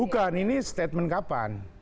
bukan ini statement kapan